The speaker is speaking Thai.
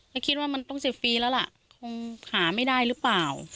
ก็คิดว่ามันต้อง๑๐ปีแล้วล่ะคงหาไม่ได้หรือเปล่า